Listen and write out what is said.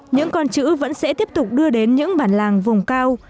những con chữ vẫn sẽ tiếp tục đưa đến những bản làng vùng cao